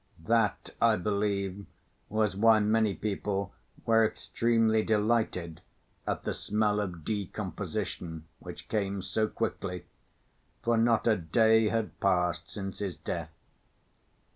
That, I believe, was why many people were extremely delighted at the smell of decomposition which came so quickly, for not a day had passed since his death.